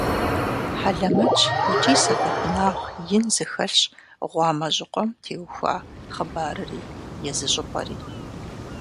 Хьэлэмэтщ икӀи сэбэпынагъ ин зыхэлъщ «Гъуамэжьыкъуэм» теухуа хъыбарри езы щӀыпӀэри.